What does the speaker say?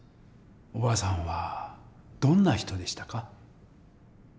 おばあさんはどんな人でしたか？